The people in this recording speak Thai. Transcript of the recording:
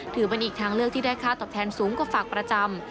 ถือเป็นอีกทางเลือกที่ได้ค่าตอบแทนสูงกว่าฝากประจำ